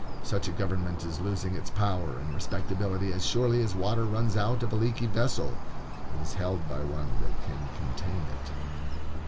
Such a government is losing its power and respectability as surely as water runs out of a leaky vessel, and is held by one that can contain it.